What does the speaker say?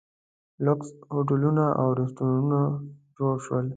لوکس هوټلونه او ریسټورانټونه جوړ شول.